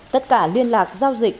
tất cả liên lạc giao dịch